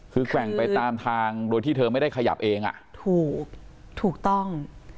คือแกว่งไปตามทางโดยที่เธอไม่ได้ขยับเองอ่ะถูกถูกต้อง